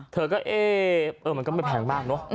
เธอก็เอ๊ะมันก็ไม่แพงมากเนอะ